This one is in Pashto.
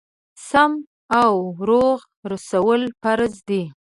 سم او روغ رسول فرض دي.